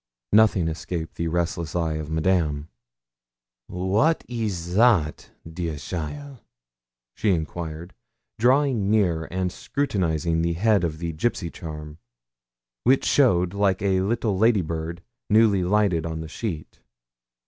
Nothing escaped the restless eye of Madame. 'Wat is that, dear cheaile?' she enquired, drawing near and scrutinising the head of the gipsy charm, which showed like a little ladybird newly lighted on the sheet.